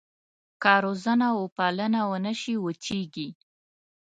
که روزنه وپالنه ونه شي وچېږي.